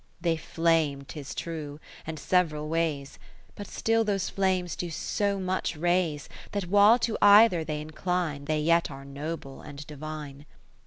IV They flame, 'tis true, and several ways, But still those Flames do so much raise, That while to either they incline, They yet are noble and divine.